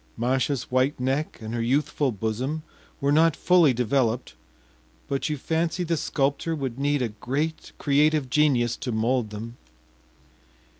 Masha’s white neck and her youthful bosom were not fully developed, but you fancy the sculptor would need a great creative genius to mold them.